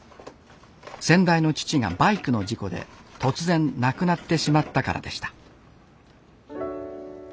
先代の父がバイクの事故で突然亡くなってしまったからでした